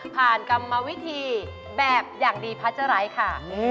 ผ่านกรรมวิธีแบบอย่างดีพัชรายค่ะ